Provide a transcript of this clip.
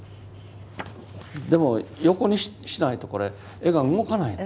でも横にしないとこれ絵が動かないんです。